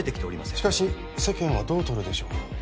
しかし世間はどう取るでしょう？